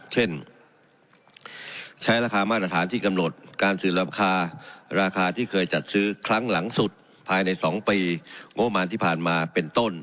เช่นใช้ราคามาตรฐานที่กำหนดการสืบราคาราคาที่เคยจัดซื้อครั้งหลังสุดภายใน๒ปีงบประมาณที่ผ่านมาเป็นต้น